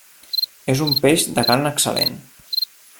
És un peix de carn excel·lent.